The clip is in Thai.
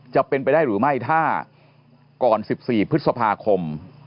จะเป็นไปได้หรือไม่ถ้าก่อน๑๔พฤษภาคม